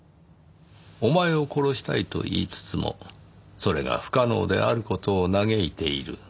お前を殺したいと言いつつもそれが不可能である事を嘆いている。